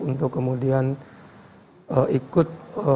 untuk kemudian ikut